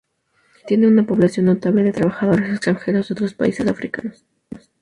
La ciudad tiene una población notable de trabajadores extranjeros de otros países africanos.